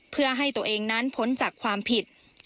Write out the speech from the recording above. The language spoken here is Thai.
เพื่อให้ตัวเองนั้นพ้นจากความผิด